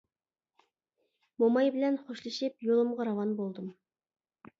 موماي بىلەن خوشلىشىپ يولۇمغا راۋان بولدۇم.